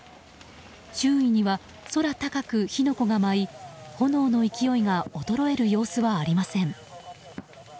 周囲には空高く火の粉が舞い炎の勢いが衰える様子はありません。